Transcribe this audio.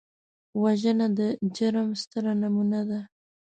وژنه د جرم ستره نمونه ده